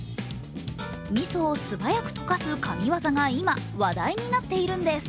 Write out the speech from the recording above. みそを素早く溶かす神業が今、話題になっているんです。